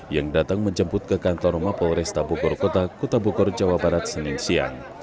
yang datang menjemput ke kantor mapolresta bogor kota jawa barat senin siang